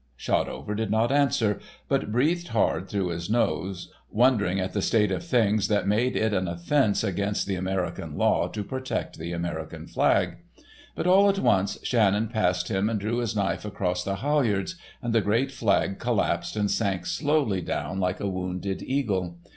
Shotover did not answer, but breathed hard through his nose, wondering at the state of things that made it an offense against the American law to protect the American flag. But all at once Shannon passed him and drew his knife across the halyards, and the great flag collapsed and sank slowly down like a wounded eagle.